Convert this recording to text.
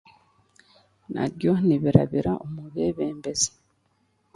N'abyo nibirabira omubebembezi.